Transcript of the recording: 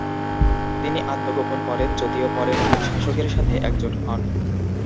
তিনি আত্মগোপন করেন, যদিও পরে নতুন শাসকের সাথে একজোট হন।